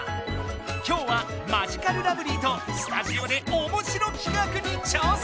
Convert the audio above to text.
きょうはマジカルラブリーとスタジオでおもしろきかくに挑戦！